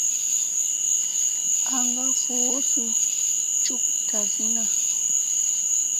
Aŋ ka voo su cuk ta si na.